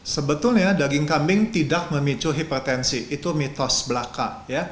sebetulnya daging kambing tidak memicu hipertensi itu mitos belaka